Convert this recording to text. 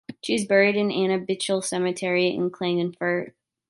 She is buried at the Annabichl cemetery in Klagenfurt.